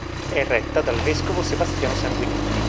È retta dal vescovo Sebastiano Sanguinetti.